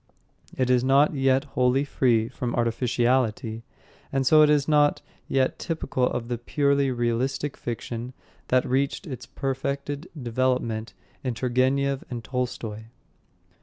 It is not yet wholly free from artificiality, and so is not yet typical of the purely realistic fiction that reached its perfected development in Turgenev and Tolstoy.